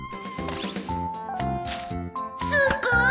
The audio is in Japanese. すごい！